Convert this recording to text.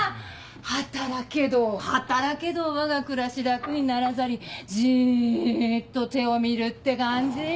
「働けど働けどわが暮らし楽にならざりじっと手を見る」って感じ？